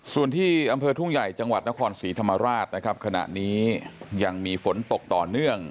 ส่วนที่อำเภอทุ่งใหญ่จังหวัดนครศรีธรรมราชนะครับขณะนี้ยังมีฝนตกต่อเนื่อง